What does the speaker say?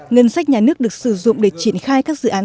ngân sách nhà nước được sử dụng để triển khai các dự án